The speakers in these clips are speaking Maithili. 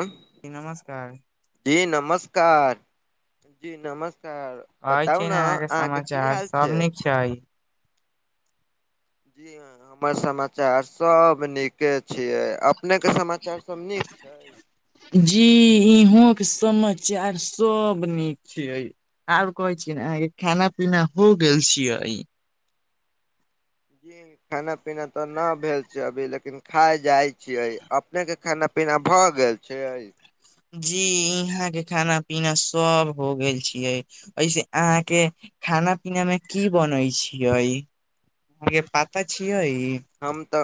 एय जी नमस्कार जी नमस्कार जी नमस्कार कहै बताउ छी ने अहाँके की समाचार हाल सभ छै नीक छै जी हमर समाचार सभ नीके छियै। अपने के समाचार सभ नीक छै। जी इहों के समाचार सभ नीक छीए आर कहे छीयै ने अहाँके खाना पीना हो गेल छियै जी खाना पीना तऽ ना भेल छै अभी लेकिन खाई जाइ छियै अपने के खाना पिना बिना भऽ गेल छै जी यहाँ के खाना पीना सब हो गेल छियै ऐसे अहाँ के खाना पीना मे की बनै छियै हमरे पता छियै हम त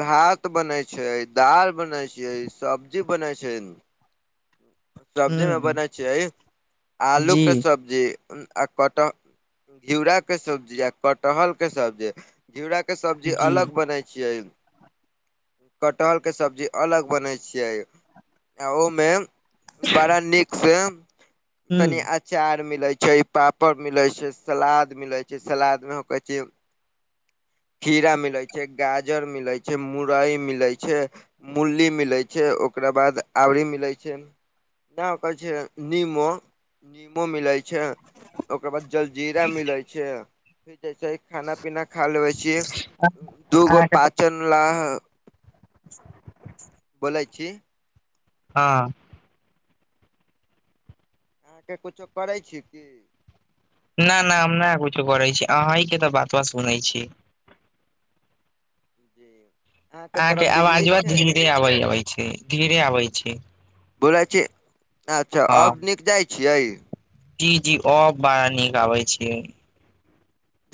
भात बनै छै दाल बनै छै सब्जी बनै छै सब्जी मे ह बनेंय छे आलू जी के सब्जी आ कट घिउराके सब्जी आ कटहरके सब्जी घिउराके सब्जी जी अलग बनै छियै कटहल के सब्जी अलग बनैत छियै आ ओ में बड़ा नीक से ह तनि अचाउर मिलै छै पापड़ मिलैत छै सलाद मिलै छै सलादमे कहैत छै खीरा मिलैय छै गाजर मिलैय छै मुरई मिलैय छै कुनडली मिलैत छै ओकरा बाद आबरी मिलैत छै न कह छै निमो निमो मिला छै ओकर बाद जलजीरा मिलै छै फिर जैसे खाना पीना खा लेबै दू गो अहाँके तऽ पाचन लऽ [unintelligible] बोलाय छी हँ अहाँके कुछो करै छी की नहि नहि हम नहि कुछो करै छी अहीं के तऽ बात बा सुनै छी जी [inaudible] अहां के तरफ बिजली आवाज ब छै धीरे आब आबै छै धीरे आबै छै बोलै छी अच्छा हँ अब नीक जाइत छियै जी जी ब बड़ा नीक आबै छै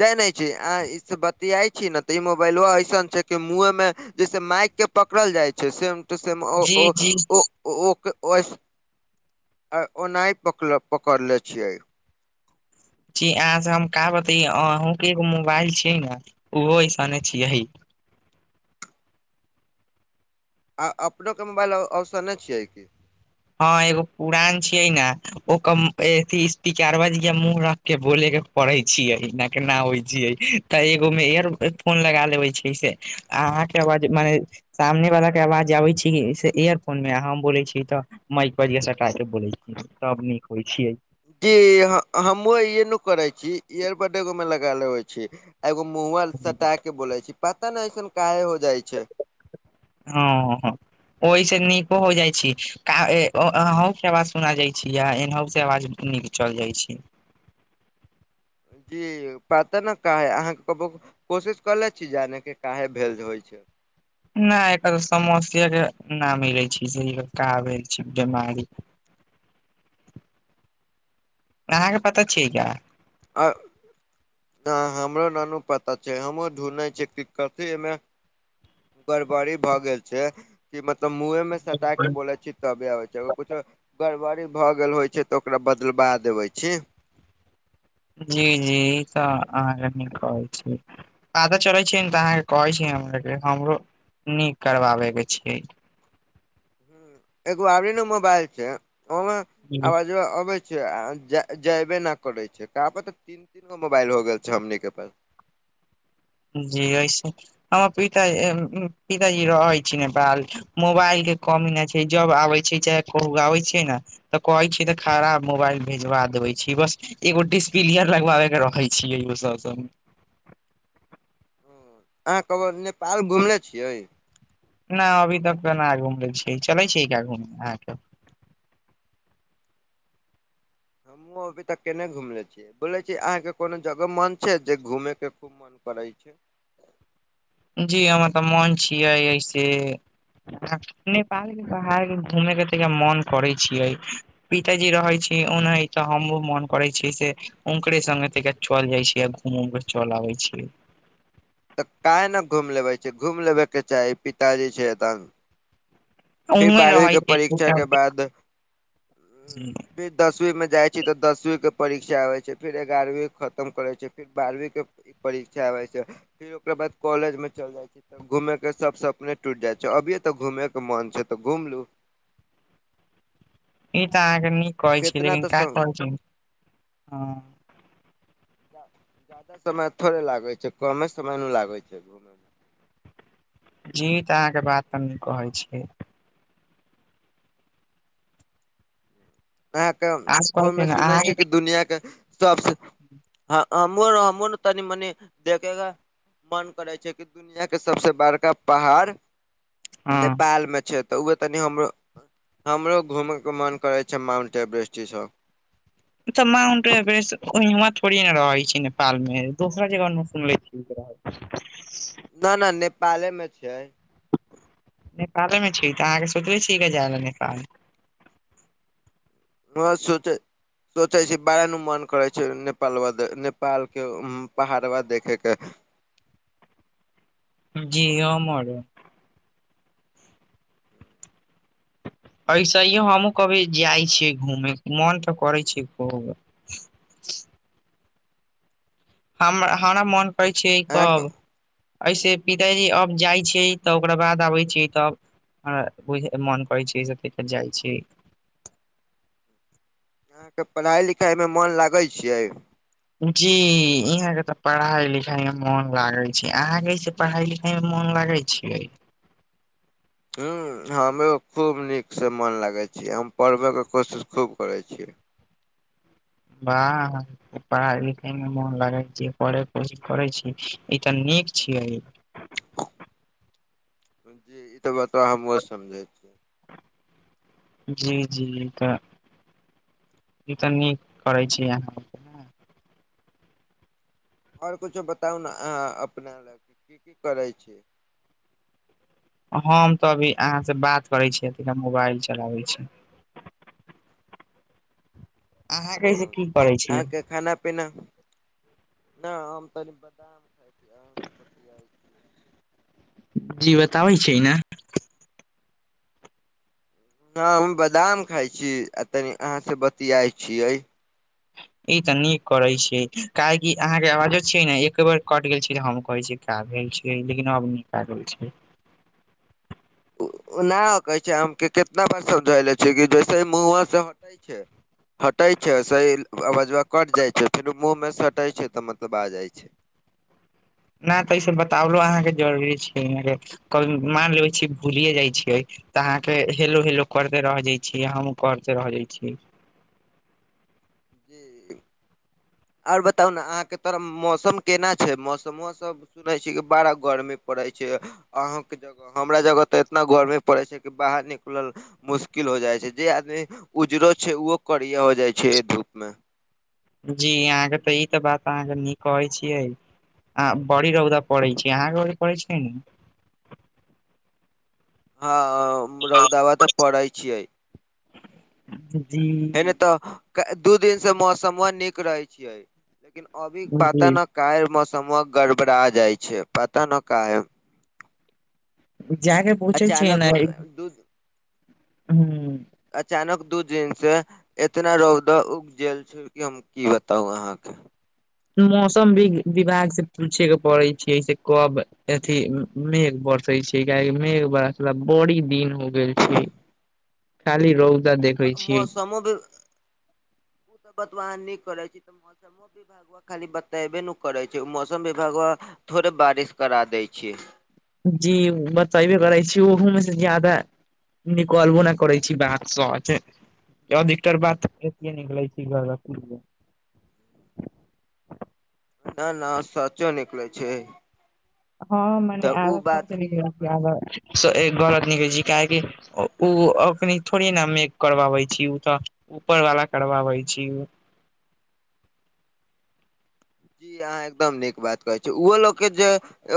जाय नहि छी अह इस बतियाई छी ने तऽ ई मोबाइलो ऐसन छै कि मुँहे में जैसे माइ के पकड़ल जाइ छै सेम टू सेम जी जी ओ-ओ-ओ ओ ओना पकड़ले छियै जी अहाँ से हम कह बते अहं के एगो मोबाइल छियै ने ओहो अऐसने छियै आ अपनोके मोबाइल ऑप्शन नहि छियै की हँ एगो पुरान छिय ने ओकरार बज मु के बोले के पड़े छियै न केना होइ छियै तऽ एगो मे इयर फोन लगा लेबे छै से अहाँके आवाज मने सामने वाला के आवाज आबै छी इयरफोन मे हम बोलै छी तऽ माईक बढिया सटा बोैलै छियै तब नीक होइ छियै जी हमहु इे न करे छी इयरबड एगो में लगा लेे छी एगो मुँहवा लऽ सटा के बोले छै पता ने ऐसन काहे हो जाइ छै हं हं ओहि से नीको हो जाय छी अहं के आवाज सुना जाय छी य एहहो से आवाज निक चलि जाई छी जी पता ने का है अहाँके कहब कोशिश कले छी जाने के काहे भे होइ छै नहि एकर तऽ समस्य के न मिलै छै से कऽ भालि छै बीमारी आहाँके पता छियै का आ हमरो नानू पता छै हमहुँ ढूँढ़ै छियै की कथिमे गड़बड़ी भए गेल छै कि मतलब मुहे में सटा के बोलै छी तबे आबै छै अग किछो गड़बड़ी भऽ गेल होइ छै तऽ ओकरा बदलबा देबै छी जी जी ई तऽ अहाँके न कहै छी पता चले छै तऽ अहाँके कहै छी हमर हमरो नीक करबाबे के छीयै एगो आरी नऽ मोबाइल छै ओमे आ अबै छै आ जैबे न करै छै त [unintelligible] तीनगो मोबाइल हो गेल छै। हमनी के पास जी ऐसे हमर पिताजी पिताजी रहै छै। नेपाल मोबाइल के कमी नहि छै। जब आबै छै। चाहे कहू आबै छै ने तऽ कहै छी तऽ खराब मोबाइल भेजवा देबे छी बस एगो डिस्पलियर लगवाबे के रखे छियै ओ सभ अहाँ कहब नेपाल घुमले छियै? नहि, अभी तक तऽ न घूमि छऽ, चलऽ छै गे अहाँकेँ। हमहुँ अभी तक केने घुमले छी यै, बोले छी, अहाँके कोनो जगह मन छै जे घूमे के? मन पड़ैत छै। जी हमर तऽ मन छियै एहिसे नेपालके बाहर घूमेके तऽ मन करै छियै। पिताजी रहै छथि ओनहि तऽ हमहूँ मन करै छियै से। ओनकरे सङ्ग तऽ चलि जाइ छियै, घूमि कऽ आबि जाइ छियै। तऽ किएक नहि घूम लेबै? घूम लेबाक चाही, पिताजी छथि एतऽ। फेर उहें रहै बारहवींके छै परीक्षा छोटा कऽ जी। बाद ओ। ई फेर दसवींमे जाय छै, तऽ दसवींके परीक्षा आबि जाइ छै, फेर एगारहवीं खतम करै छै। आ बारहवींके परीक्षा आबै छै, फेर ओकरा बाद कॉलेजमे चलि जाइ छै। घूमयक सभ सपना टूटि जाइ छै, एखन घूमयक मन छै तऽ घूमि लिअ। ई तऽ अहाँके नीक कहै छी, केतना लेकिन तऽ किएक कहै छी हँ? जादा समय थोड़े लागैत छै, कमे समयमे भऽ जाइ छै घूममे। जी तऽ अहाँके बात तऽ कहै छी। अहाँकेँ आ कहै छै ओहिमे ने सुनै छियै अहाँके की दुनिआँके सभसँ हमो हमो ने तनि मनी देखेगा। मन करे छै। कि दुनिया के सबसँ बड़का पहाड़ हँ नेपालमे छै तऽ ओ तऽ तनि हमरो घूमयके मन करै छै। माउंट एवरेस्ट ईसभ। तऽ माउंट एवरेस्ट तऽ नेपालमे थोड़े रहै छै, दोसर जगह सुनले छी। ठीक रहल छी नहि, नेपालमे छै। नेपालमे छी तऽ अहाँ सोचलहुँ छी गऽ जाय लेल नेपाल। ब सुत [unintelligible] सोचैत छी, बार बार मन करै छै नेपालक पहाड़ देखय लेल। जी अ मरो एहने हमहूँ कखनो जाइत छियै, घूमयके मन तऽ करै छै खूब। हमरा मोन करै छै, ई अहाँ कखन? एसे पिताजी आब जाइ छथि तऽ ओकरा बाद आबै छथि, तखन। मन करै छी जाई छियै। अहाँके पढ़ाई लिखाई मे मन लागै छियै? जी यहाँं के तऽ पढ़ाई लिखाई मे मोन लागे छै। अहाँकेस पढ़ाई लिखाई मे मन लागे छै? ह हमो खूब नीकसँ मन लागै छै। हम पढ़बैके कोशिश खूब करै छीयै। बाह पढ़ाई लिखाइमे मोन लगैत छै, पढ़यके कोशिश करै छी, ई तऽ नीक छियै। जी तऽ बताब हमूँ समझै छियै [unintelligible] जी जी ई तऽ नीक करै छी अहाँ आओर कुछो बताउ ने अहाँ अपना लग की करै छी? हम तऽ अभी अहाँसँ बात करैत छी, मोबाइल चलबैत छी। अहाँ ओ कैसे की करै छी अहाँके खाना पीना नहि हम तनी बदम खइ छै जी बताबै छै ने ह हम बादाम खाइ छी आ तनि अहाँ से बतियाइ छियै। ई ते नीक करे छी काहेि अहां के आवाजो छी ने एक बेर कट गेल छी त हम कहे छी का भेल छै लेकिन अब नीक आ गेल छै ओना हो के छै आम के कितना बार समझोले छै क जैसे मुआ से हटे छै [inaudible] हटे छै सही अवजवा कट जाय छै फेनो मुंह में सटे छै तऽ मतलब आ जाय छै नहि तऽ ईस बतालो अहाँके जरुरी छै मान लेबे छी भूलिये जाई छियै तऽ अहाँके हेलो हेलो करते रह जाइ छी हमूँ करते रह जाइत छी जी आओर बताउ ने अहाँके तोर मौसम केना छै मौसमो सब सुनै छी कि बारा गर्मी पड़ै छै अहाँ के जग हमरा जगह तऽ इतना गर्मी पड़े छै कि बाहर निकलल मुश्किल हो जाइ छै जे आदमी उजरो छै ओहो करिय हो जाइ छै धूप मे जी अहाँके तऽ ई त बात अहाँके नीक कहै छियै बड़ी रौदा पड़ै छै अहाँके बड़ी पड़ै छै ने हँ रौदाबा तऽ पड़े छियै जी मे तऽ दू दिन से मौसमो नीक रहै छिय लेकिन अभी पता जी न काय मौसमो गड़बड़ा जाइ छै पता ने काहे जागे पुछे छिय ने अचानक दू हूँ अचानक दू दिन से इतना रौद उगजेल छ हम की बताउ अहाँके मौसम बी विभाग से पूछे के पड़ै छैै से कब अथी मेघ बरसे छै किय मेघ बरसला बड़ी दिन हो गेल छै [inaudible] खाली रौदा देखै छियै हमद [unintelligible] ओ त बतवा अहाँ नीक करे छै त मौसम मौ विभाग खाली बतेबे न करै छै मौसम विभागवा थोड़े बारिश करा दै छियै जी बतेबे करै छी ओहोमे से जादा निकलबो नहि करै छी बात सच अधिकतर बाते निकलै छै गलत निकले छै न न सचो निकले छै हँ तऽ मने ओ आधा बात सच की निकले छै होकै आधा गलत निकलै छै काहेकी ओ अखनी थोड़ी ने मे करवाबै छी ओ तऽ ऊपर वाला करवाबै छी जी अहाँ एकदम नीक बात कहै छी ओहो लोकके जे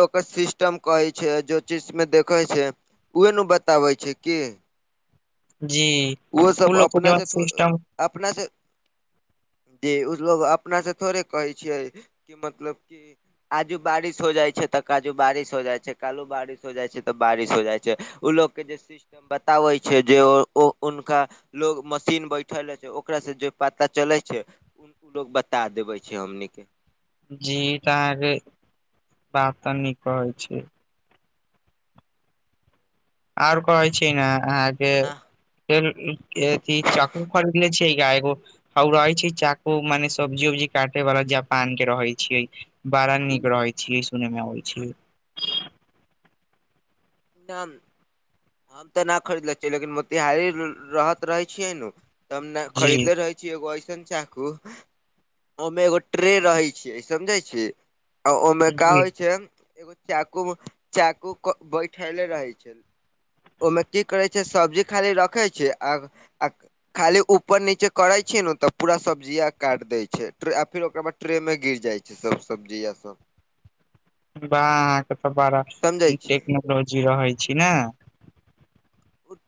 ओकर सिस्टम कहै छै जे चीज मे देखै छै उह ने बताबै छै की जी ओ ओहोसभ लोग के जवन अपनासँ थो सिस्टम अपनासँ जे उ लोग अपना से थोड़े कहे छियै कऽ मतलब की आजू बारिश हो जाइ छै तऽ कालो बारिश हो जाइ छै कालहु बारिश हो जाइ छै तऽ बारिश हो जाइ छै ओ लोकग के जे सिस्टम बताबै छै जे ओ हुनका लोग मशीन बैठल रहे छै ओकरास से जे पता चलै छै लोग बता देवे छै हमनिक के जी त अहाँ के बात तऽ नीक कहे छी आओर कहै छै ने आ अहाँक एथि चाकू खरीदले छिय एगो ह रहै छै चाकू मने सब्जी उब्जी काटे बला जापान के रहै छिय बड़ा नीक रहै छी सुनेमे होइ छी नहि हम तऽ नहि खरीद ले छियै लेकिन मोतिहारी रहत रहै छियै नु तने जी खरीदले रहै। एगो ऐसन चाकू ओमे एगो ट्रे रहै छिय समझे छी आ ओहिमे का जी होइ छै। एगो चाकू चाकू बैठले रहे छै। ओहिमे की करै छै। सब्जी खाली रखै छै। आ आ खाली ऊपर नीचे करे छी। न तऽ पूरा सब्जिया काट देय छै। फिर ओकरा बाद ट्रे में गिर जाय छै। ई सभ सब्जी या सभ बाह अहाँके तऽ बड़ा समझै छियै टेक्नोलॉजी रहै छी ने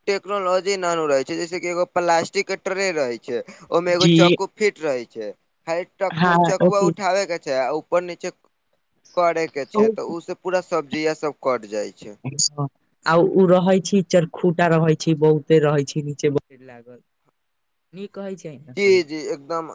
टेक्नोलॉजी नानू रहे छै। जैसे कि एगो प्लास्टिक के ट्रे रहे छै। ओहिमे एगो जी चककू। फिट रहै छै। खालीटकु हँ चकुआ ओथी उठाबे के छै। आ ऊपर नीचे करे के छै? तऽ ओसँ पूरा सब्जीसभ कटि जाइ छै। आ ओ रहै छै चरखूटा, बहुते रहै छै नीचेवला। बन [unintelligible] कि कहैत छै जी जी एकदम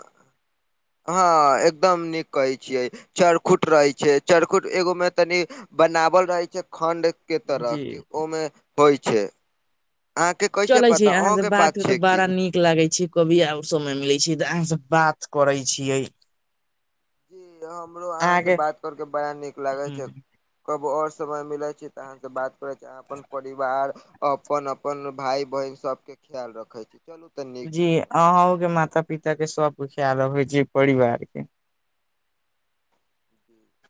हँ एकदम नीक कहै छियै चरखूट रहै छै। चरखूट एगो में तनी बनाबल रहै छै। खण्ड के तरह जी कि ओहिमे होइ छै। अहाँके कैसे चले छै पता अहाँ अहं से के बात पात क छै। की बड़ा नीक लागे छै। कभी आओर समय मिलै छै। तऽ अहाँ से बात करै छियै। जी हमरो अहाँसँ अहाँके बात करके बड़ा नीक लागैत छै। कबो और समय मिले छै। त अहाँं से बात करे चाह अपन परिवार अपन अपन भाय बहिन सभके ख्याल रखे छी चलू तऽ नीक जी छै तऽ अहं के माता पिता के सभ खयाल अबे छै। परिवार के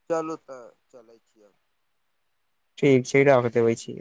चलू तऽ ठीक छै रख देबै छी।